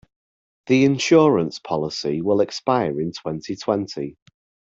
The insurance policy will expire in twenty-twenty.